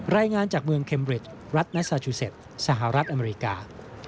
รายงานจากเมืองเคมริตรัฐและซาจูเซ็ตสหรัฐอเมริกา